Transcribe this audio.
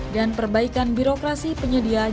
dan perbaikan birokrasi penyelenggaraan